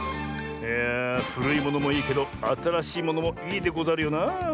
いやあふるいものもいいけどあたらしいものもいいでござるよなあ。